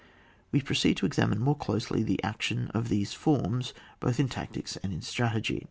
We proceed to examine more closely the action of these forms, both in tactics and in strategy.